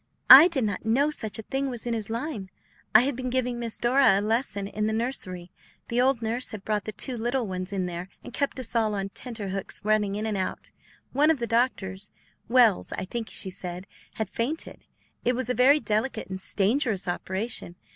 "I did not know such a thing was in his line. I had been giving Miss Dora a lesson in the nursery. The old nurse had brought the two little ones in there, and kept us all on tenter hooks running in and out. One of the doctors, Wells, I think she said, had fainted; it was a very delicate and dangerous operation.